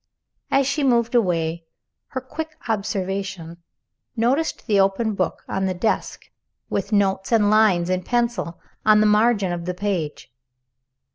As she moved away, her quick observation noticed the open book on the desk, with notes and lines in pencil on the margin of the page.